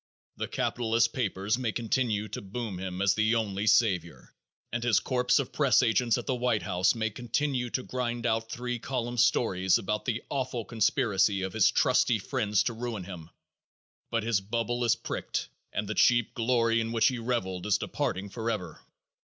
The capitalist papers may continue to boom him as the only savior and his corps of press agents at the White House may continue to grind out three column stories about the awful conspiracy of his "trusty" friends to ruin him, but his bubble is pricked and the cheap glory in which he reveled is departing forever.